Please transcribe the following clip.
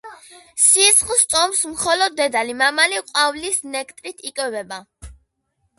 სისხლს წოვს მხოლოდ დედალი, მამალი ყვავილის ნექტარით იკვებება.